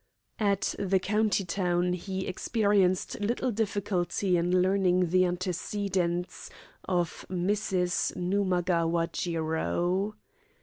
At the county town he experienced little difficulty in learning the antecedents of Mrs. Numagawa Jiro.